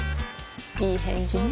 いい返事ね